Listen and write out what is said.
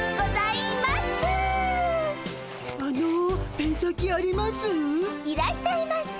いらっしゃいませ。